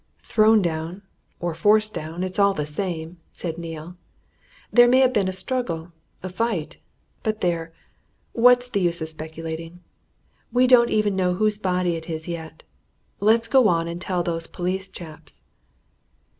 "Thrown down or forced down it's all the same," said Neale. "There may have been a struggle a fight. But there, what's the use of speculating? We don't even know whose body it is yet. Let's get on and tell those police chaps."